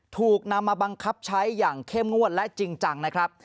ถูกนำมาบังคับใช้อย่างเข้มงวดและจริงจังนะครับ